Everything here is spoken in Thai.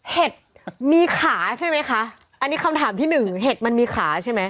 เห็ดมีขาใช่ไหมคะอันนี้คำถามที่หนึ่งเห็ดมันมีขาใช่ไหม